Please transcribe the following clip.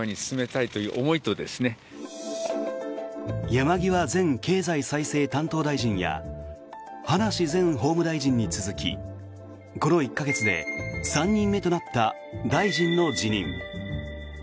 山際前経済再生担当大臣や葉梨前法務大臣に続きこの１か月で３人目となった大臣の辞任。